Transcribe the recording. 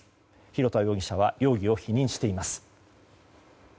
廣田容疑者は容疑を否認しています。